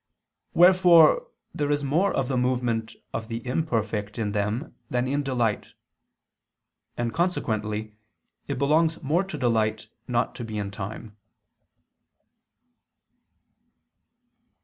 Wherefore there is more of the movement of the imperfect in them than in delight. And consequently it belongs more to delight not to be in time.